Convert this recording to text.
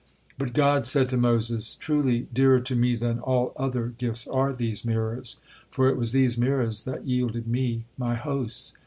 But God said to Moses: "Truly dearer to Me than all other gifts are these mirrors, for it was these mirrors that yielded Me My hosts.